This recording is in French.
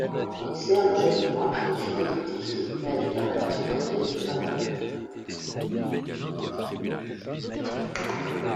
Il sert le jeune roi avec fidélité, mais a du mal à supporter Mazarin.